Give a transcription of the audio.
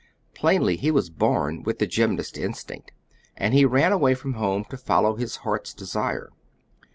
Plainly he was born with the gymnast instinct, and he ran away from home to follow his heart's desire.